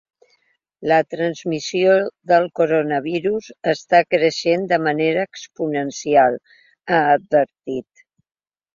La transmissió del coronavirus està creixent de manera exponencial, ha advertit.